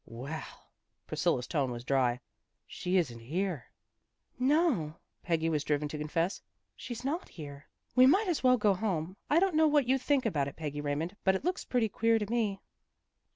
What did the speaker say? "Well!" Priscilla's tone was dry. "She isn't here." " No," Peggy was driven to confess, " she's not here." " We might as well go home. I don't know what you think about it, Peggy Raymond, but it looks pretty queer to me."